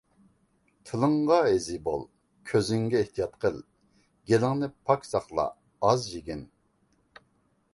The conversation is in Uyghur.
تىلىڭغا ھېزى بول، كۆزۈڭگە ئېھتىيات قىل. گېلىڭنى پاك ساقلا، ئاز يېگىن.